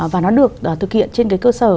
và nó được thực hiện trên cái cơ sở